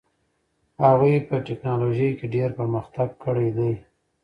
هغوی په ټیکنالوژۍ کې ډېر پرمختګ کړی دي.